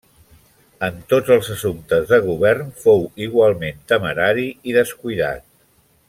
En tots els assumptes de govern fou igualment temerari i descuidat.